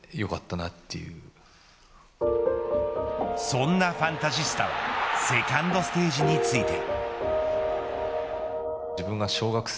そんなファンタジスタはセカンドステージについて。